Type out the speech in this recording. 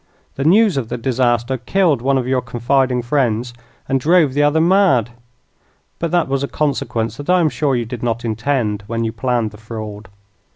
The news of the disaster killed one of your confiding friends and drove the other mad; but that was a consequence that I am sure you did not intend when you planned the fraud.